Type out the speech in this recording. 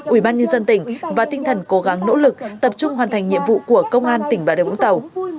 ubnd tỉnh và tinh thần cố gắng nỗ lực tập trung hoàn thành nhiệm vụ của công an tỉnh bà điều vũng tàu